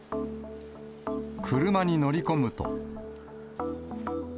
車に乗り込むと。